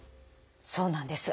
そうなんです。